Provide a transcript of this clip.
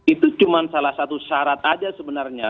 itu cuma salah satu syarat aja sebenarnya